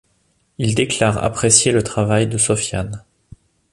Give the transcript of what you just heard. Il déclare apprécier le travail de Sofiane.